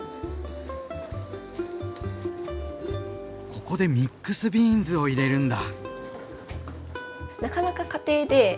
ここでミックスビーンズを入れるんだ！